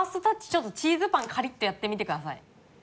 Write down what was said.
ちょっとチーズパンカリッとやってみてください。